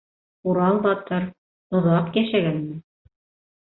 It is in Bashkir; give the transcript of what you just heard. Урал батыр... оҙаҡ йәшәгәнме?